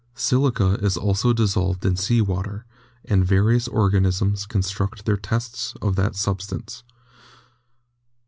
Silica is also dissolved in sea water, and various or ganisms construct their tests of that substance.